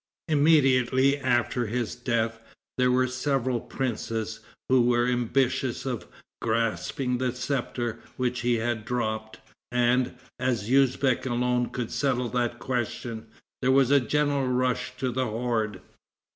Immediately after his death there were several princes who were ambitious of grasping the scepter which he had dropped, and, as Usbeck alone could settle that question, there was a general rush to the horde.